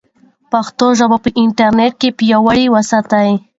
پښتو ژبه په انټرنیټ کې پیاوړې وساتئ.